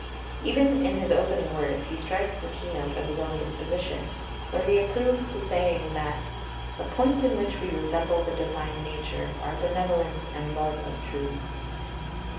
Even in his opening words he strikes the keynote of his own disposition, where he approves the saying that "the points in which we resemble the divine nature are benevolence and love of truth."